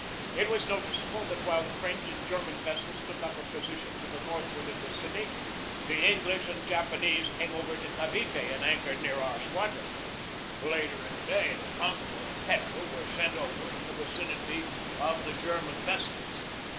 It was noticeable that while the German and French vessels took up a position to the northward of the city, the English and Japanese came over to Cavite and anchored near our squadron. Later in the day the Concord and Petrel were sent over in the vicinity of the German vessels.